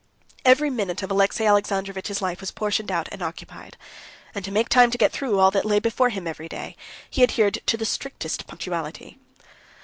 Every minute of Alexey Alexandrovitch's life was portioned out and occupied. And to make time to get through all that lay before him every day, he adhered to the strictest punctuality.